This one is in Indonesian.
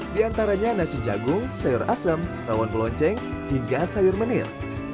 di antaranya nasi jagung sayur asem tawon pelonceng hingga sayur menir